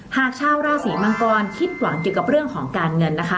หากชาวราศีมังกรคิดหวังเกี่ยวกับเรื่องของการเงินนะคะ